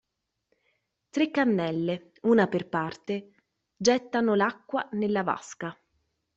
Tre cannelle, una per parte, gettano l'acqua nella vasca.